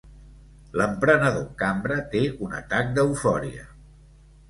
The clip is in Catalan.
L'emprenedor Cambra té un atac d'eufòria.